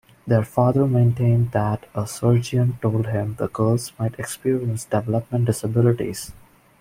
Their father maintained that a surgeon told him the girls might experience developmental disabilities.